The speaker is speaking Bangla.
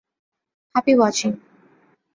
Happy watching.